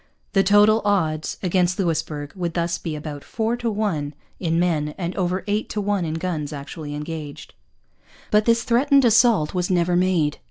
The total odds against Louisbourg would thus be about four to one in men and over eight to one in guns actually engaged. But this threatened assault was never made.